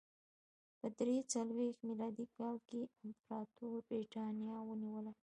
په درې څلوېښت میلادي کال کې امپراتور برېټانیا ونیوله